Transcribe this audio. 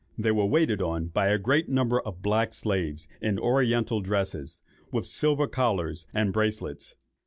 They were waited on by a great number of black slaves in oriental dresses, with silver collars and bracelets.